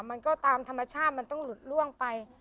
มันก็ตามธรรมชาติมันต้องหลุดล่วงไป